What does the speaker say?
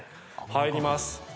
入ります。